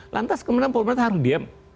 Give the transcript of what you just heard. lantas kemudian pemerintah harus diem